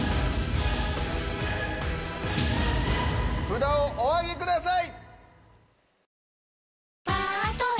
・札をお挙げください！